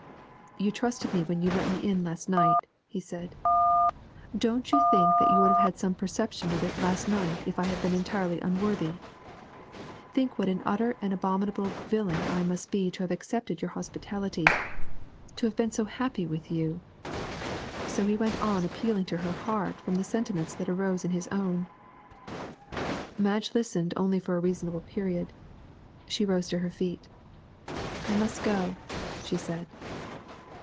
'You trusted me when you let me in last night,' he said. 'Don't you think that you would have had some perception of it last night if I had been entirely unworthy? Think what an utter and abominable villain I must be to have accepted your hospitality to have been so very happy with you ' So he went on appealing to her heart from the sentiments that arose in his own. Madge listened only for a reasonable period; she rose to her feet. 'I must go,' she said.